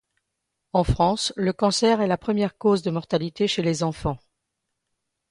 En France, le cancer est la première cause de mortalité chez les enfants.